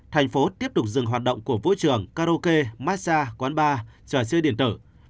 thành phố tiếp tục dừng hoạt động của vũ trường karaoke massage quán bar trò chơi điện tử